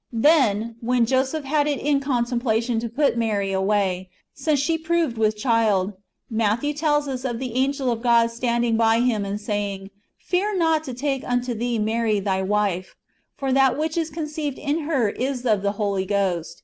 Then, when Joseph had it in contemplation to put Mary away, since she proved with child, [Matthew tells us of] the angel of God standing by him, and saying :" Fear not to take unto thee Mary thy wife : for that wliich is conceived in her is of the Holy Ghost.